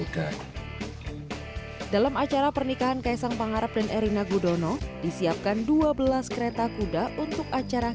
dalam acara pernikahan kaisang pangarap dan erina gudono disiapkan dua belas kereta kuda untuk acara